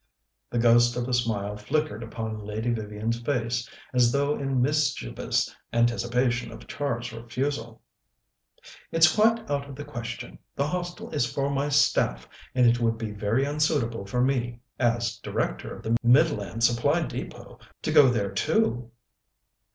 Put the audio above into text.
The ghost of a smile flickered upon Lady Vivian's face, as though in mischievous anticipation of Char's refusal. "It's quite out of the question. The Hostel is for my staff, and it would be very unsuitable for me, as Director of the Midland Supply Depôt, to go there too."